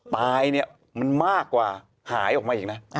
ตายเนี่ยมันมากกว่าหายออกมาอีกนะ